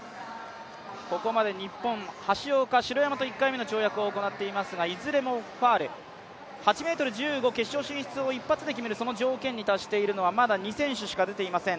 ここまで日本、橋岡、城山と１回目の跳躍を行っていますがいずれもファウル、８ｍ１５以上、決勝進出を一発で決める条件に達しているのは、まだ２選手しかいません。